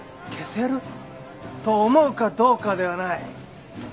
消せると思うかどうかではない。